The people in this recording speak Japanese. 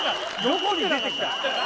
どこに出てきた？